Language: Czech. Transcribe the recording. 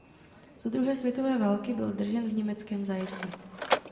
Za druhé světové války byl držen v německém zajetí.